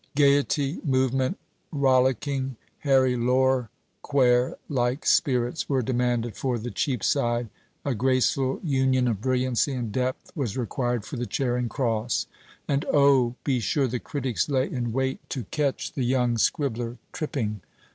Gaiety, movement, rollicking, Harry Lorrequer like spirits were demanded for the Cheapside; a graceful union of brilliancy and depth was required for the Charing Cross. And, O, be sure the critics lay in wait to catch the young scribbler tripping!